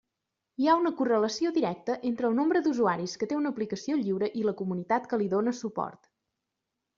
Hi ha una correlació directa entre el nombre d'usuaris que té una aplicació lliure i la comunitat que li dóna suport.